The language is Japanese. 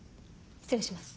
失礼します。